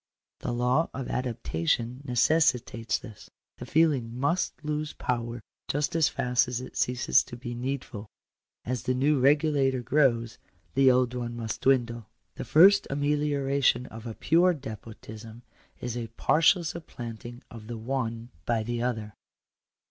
The law of adaptation necessitates this. The feeling must lose power just as fast as it ceases to be needful. As the new regulator grows, the old one must dwindle. The first amelioration of a pure despotism is a partial Digitized by VjOOQIC POLITICAL RIGHTS. 199 supplanting of the one by the other.